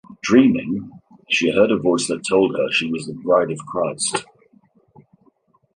Dreaming, she heard a voice that told her she was the Bride of Christ.